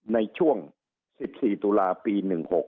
ในช่วง๑๔ตุลาปี๑๖